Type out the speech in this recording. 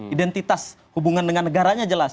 identitas hubungan dengan negaranya jelas